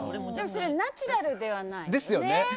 それはナチュラルではない。ですよね。